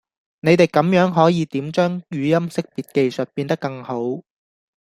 你地咁樣可以點將語音識別技術變得更好?